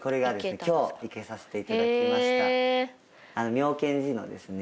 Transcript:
妙顕寺のですね